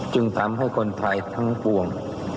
จึงทำให้คนไทยทั้งปวง